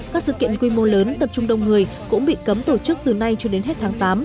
các sự kiện quy mô lớn tập trung đông người cũng bị cấm tổ chức từ nay cho đến hết tháng tám